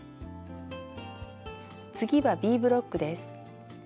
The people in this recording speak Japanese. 次はＢブロックです。